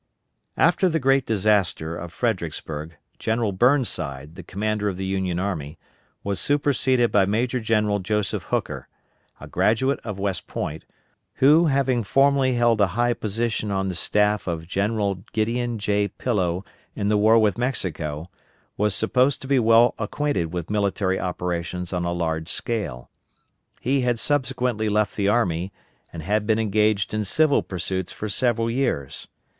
After the great disaster of Fredericksburg, General Burnside, the Commander of the Union Army, was superseded by Major General Joseph Hooker, a graduate of West Point, who having formerly held a high position on the staff of General Gideon J. Pillow in the war with Mexico, was supposed to be well acquainted with military operations on a large scale. He had subsequently left the army, and had been engaged in civil pursuits for several years.